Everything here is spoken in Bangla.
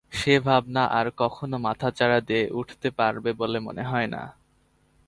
সে ভাবনা আর কখনো মাথাচাড়া দিয়ে উঠতে পারবে বলে মনে হয়না।